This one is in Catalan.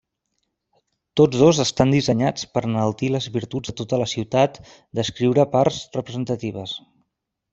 Tots dos estan dissenyats per enaltir les virtuts de tota la ciutat descriure parts representatives.